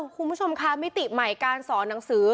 คุณผู้ชมคะมิติใหม่การสอนหนังสือ